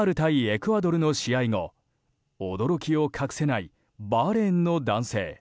エクアドルの試合後驚きを隠せないバーレーンの男性。